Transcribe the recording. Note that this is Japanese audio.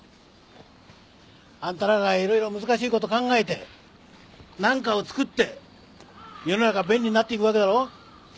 あんたらがいろいろ難しいこと考えて何かをつくって世の中便利になっていくわけだろ。